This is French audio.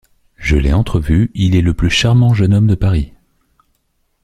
Je l’ai entrevu, il est le plus charmant jeune homme de Paris.